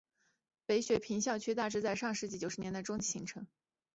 北雪平校区大致在上世纪九十年代中期形成。